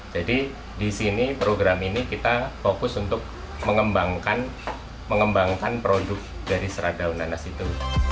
jadi di sini program ini kita fokus untuk mengembangkan produk dari serat daun nanas itu